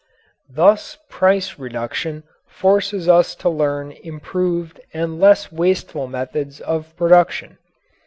Thus price reduction forces us to learn improved and less wasteful methods of production.